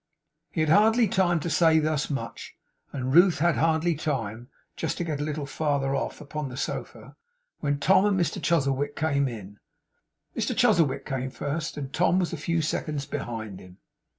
He had hardly time to say thus much, and Ruth had hardly time to just to get a little farther off upon the sofa, when Tom and Mr Chuzzlewit came in. Mr Chuzzlewit came first, and Tom was a few seconds behind him.